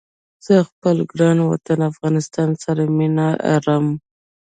زه خپل ګران وطن افغانستان سره مينه ارم